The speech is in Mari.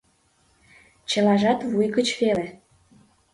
Чылажат вуй гыч веле.